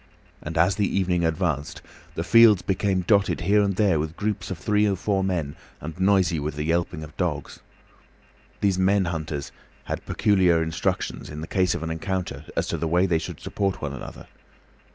And as the evening advanced, the fields became dotted here and there with groups of three or four men, and noisy with the yelping of dogs. These men hunters had particular instructions in the case of an encounter as to the way they should support one another.